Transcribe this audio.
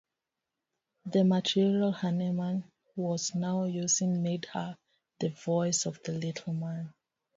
The material Hahnemann was now using made her "the voice of the little man".